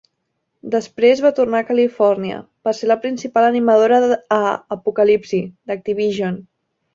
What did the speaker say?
Després va tornar a Califòrnia per ser la principal animadora a "Apocalipsi" d'Activision.